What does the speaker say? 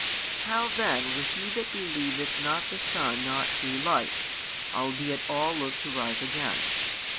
How then will he that believeth not the Son not see life, albeit all look to rise again?